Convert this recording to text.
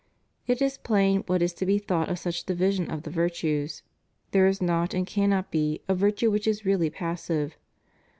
It is plain what is to be thought of such division of the virtues. There is not and cannot be a virtue which is really passive.